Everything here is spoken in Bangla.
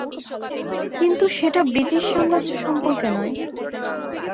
কিন্তু সেটা ব্রিটিশসাম্রাজ্য সম্পর্কে নয়।